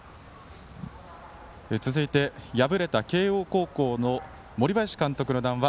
続いて、敗れた慶応高校の森林監督の談話。